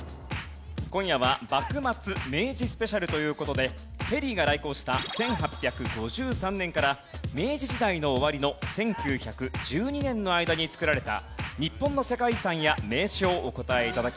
今夜は幕末・明治スペシャルという事でペリーが来航した１８５３年から明治時代の終わりの１９１２年の間に造られた日本の世界遺産や名所をお答え頂きます。